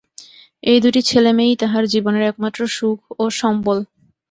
এই দুটি ছেলেমেয়েই তাহার জীবনের একমাত্র সুখ ও সম্বল।